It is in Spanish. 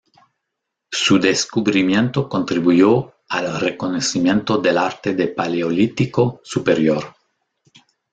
Su descubrimiento contribuyó al reconocimiento del arte de Paleolítico superior.